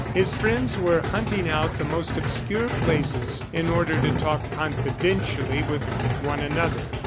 His friends were hunting out the most obscure places in order to talk confidentially with one another.